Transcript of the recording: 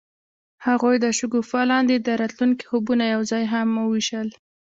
هغوی د شګوفه لاندې د راتلونکي خوبونه یوځای هم وویشل.